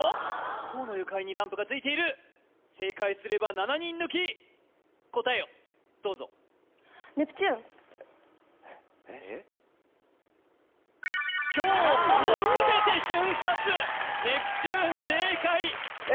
河野ゆかりにランプがついている正解すれば７人抜き答えをどうぞネプチューン正解えっ何？